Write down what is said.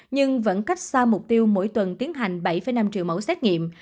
nhưng vẫn cách xa mục tiêu mỗi tuần tiến hành bảy năm triệu mẫu xét nghiệm